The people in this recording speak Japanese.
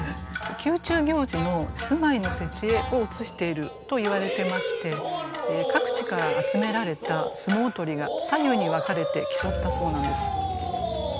宮中行事の相撲節会を映しているといわれてまして各地から集められた相撲取りが左右に分かれて競ったそうなんです。